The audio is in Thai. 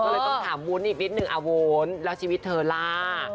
ก็เลยต้องถามวุ้นอีกนิดนึงอ่ะวุ้นแล้วชีวิตเธอล่ะ